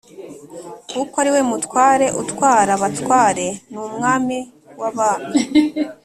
kuko ari we Mutware utwara abatware n’Umwami w’abami,